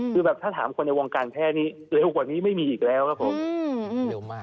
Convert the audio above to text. คือแบบถ้าถามคนในวงการแพทย์นี้เร็วกว่านี้ไม่มีอีกแล้วครับผมเร็วมาก